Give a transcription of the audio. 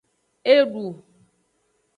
Edu.